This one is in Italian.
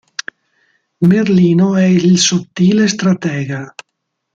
Merlino è il sottile stratega.